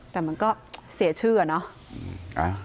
แต่มันก็เสียชื่ออะเนาะ